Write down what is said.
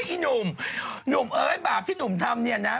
ไอ้หนุ่มหนุ่มเอ้ยบาปที่หนุ่มทำเนี่ยนะ